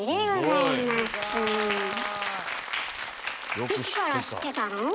いつから知ってたの？